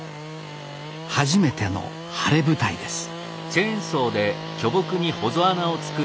初めての晴れ舞台です